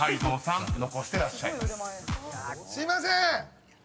すいませーん！